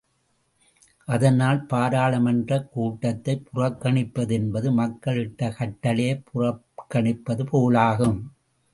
அதனால் பாராளுமன்றக் கூட்டத்தைப் புறக்கணிப்பது என்பது மக்கள் இட்ட கட்டளையைப் புறக்கணிப்பது போலாகும்.